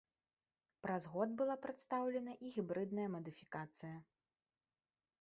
Праз год была прадстаўлена і гібрыдная мадыфікацыя.